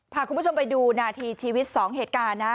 พาคุณผู้ชมไปดูนาทีชีวิต๒เหตุการณ์นะ